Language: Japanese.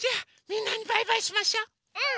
うん！